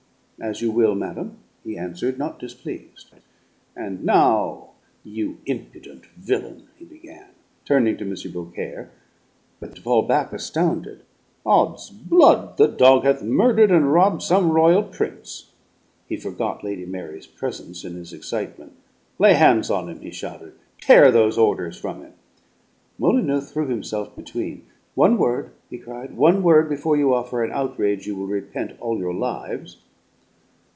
"As you will, madam," he answered, not displeased. "And now, you impudent villain," he began, turning to M. Beaucaire, but to fall back astounded. "'Od's blood, the dog hath murdered and robbed some royal prince!" He forgot Lady Mary's presence in his excitement. "Lay hands on him!" he shouted. "Tear those orders from him!" Molyneux threw himself between. "One word!" he cried. "One word before you offer an outrage you will repent all your lives!"